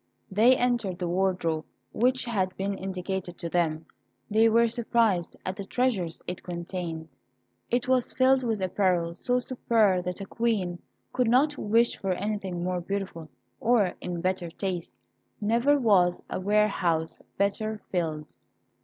They entered the wardrobe which had been indicated to them; they were surprised at the treasures it contained. It was filled with apparel so superb that a Queen could not wish for anything more beautiful, or in better taste. Never was a warehouse better filled.